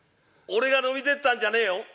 俺が飲みてえって言ったんじゃねえよ。